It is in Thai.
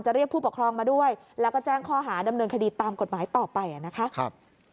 เรียกผู้ปกครองมาด้วยแล้วก็แจ้งข้อหาดำเนินคดีตามกฎหมายต่อไปนะคะ